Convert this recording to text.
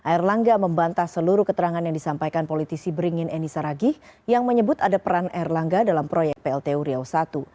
air langga membantah seluruh keterangan yang disampaikan politisi beringin eni saragih yang menyebut ada peran erlangga dalam proyek plt uriau i